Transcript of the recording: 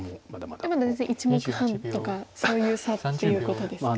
まだ１目半とかそういう差っていうことですか。